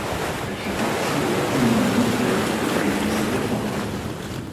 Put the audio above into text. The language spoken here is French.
Elle fait partie de la Communion mondiale d'Églises réformées.